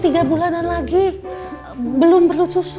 tiga bulanan lagi belum perlu susu